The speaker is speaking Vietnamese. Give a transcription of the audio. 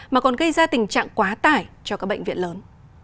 mà còn gây ra tình trạng quá tải cho các bệnh viện lớn